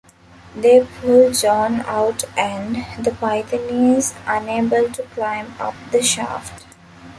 They pull John out and the python is unable to climb up the shaft.